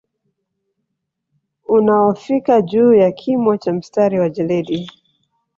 Unaofika juu ya kimo cha mstari wa jeledi